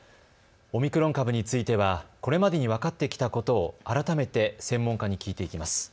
オミクロン株についてはこれまでに分かってきたことを改めて専門家に聞いていきます。